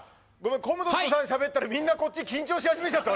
コムドットさんしゃべったらみんなこっち緊張し始めちゃった。